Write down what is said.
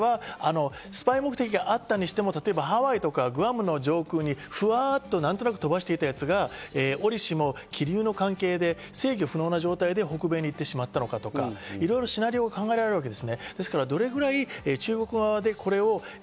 はい、スパイ目的があったにしても、ハワイとかグアムの上空にフワっとなんとなく飛ばしていたやつがおりしも気流の関係で制御不能な状態で北米に行ってしまったのかとか、いろいろシナリオが考えられます。